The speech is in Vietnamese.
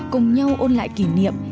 cùng nhau ôn lại kỷ niệm